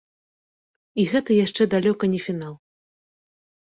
І гэта яшчэ далёка не фінал.